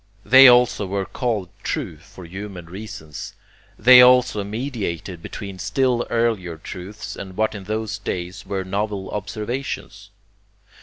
They also were called true for human reasons. They also mediated between still earlier truths and what in those days were novel observations.